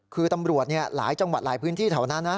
คือตำรวจหลายจังหวัดหลายพื้นที่แถวนั้นนะ